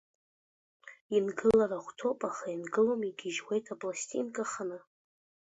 Ингылар ахәҭоуп, аха ингылом, игьежьуеит апластинка ханы.